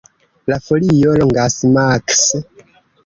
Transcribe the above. La folio longas maks.